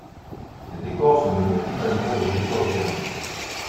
Les décors sont des motifs animaux et végétaux alternés.